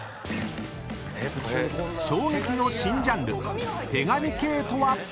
［衝撃の新ジャンル手紙系とは⁉］